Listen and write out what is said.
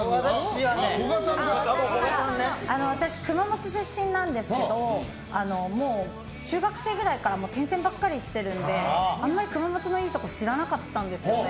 私、熊本出身なんですけどもう、中学生くらいから遠征ばかりしてるのであまり熊本のいいところを知らなかったんですよね。